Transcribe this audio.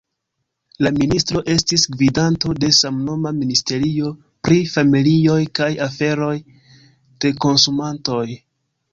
La ministro estis gvidanto de samnoma ministerio pri familioj kaj aferoj de konsumantoj.